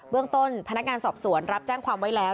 เรื่องต้นพนักงานสอบสวนรับแจ้งความไว้แล้ว